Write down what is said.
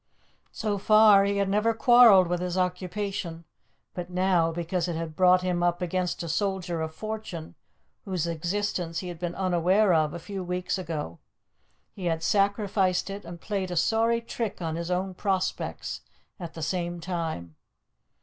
So far he had never quarrelled with his occupation; but now, because it had brought him up against a soldier of fortune whose existence he had been unaware of a few weeks ago, he had sacrificed it and played a sorry trick on his own prospects at the same time.